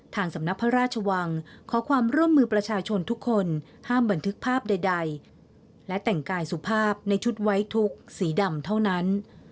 สำนักพระราชวังขอความร่วมมือประชาชนทุกคนห้ามบันทึกภาพใดและแต่งกายสุภาพในชุดไว้ทุกข์สีดำเท่านั้น